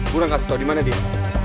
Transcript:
gue gak kasih tau dimana dia